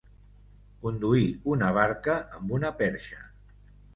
Conduir una barca amb una perxa.